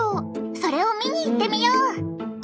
それを見に行ってみよう！